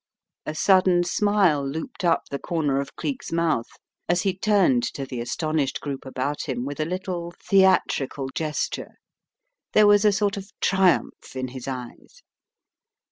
A sudden smile looped up the corner of Cleek's mouth as he turned to the astonished group about him with a little theatrical gesture. There was a sort of triumph in his eyes.